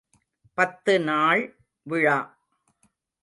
பத்து நாள் விழா!